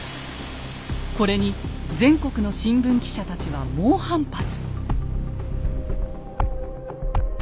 これに全国の新聞記者たちは猛反発。